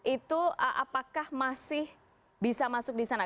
itu apakah masih bisa masuk di sana